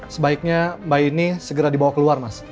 sebaiknya mbak ini segera dibawa keluar mas